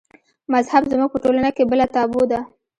مذهب زموږ په ټولنه کې بله تابو ده.